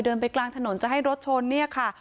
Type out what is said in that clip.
ไปกลางถนนจะให้รถชนเนี่ยค่ะ